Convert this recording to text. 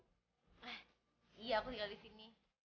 eh iya aku tinggal disini